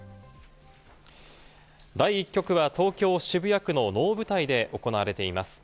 第１局は東京・渋谷区の能舞台で行われています。